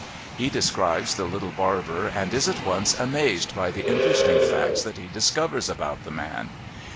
He describes the little barber and is, at once, amazed by the interesting facts that he discovers about the man.